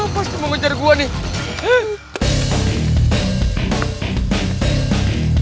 pasti mau ngejar gua nih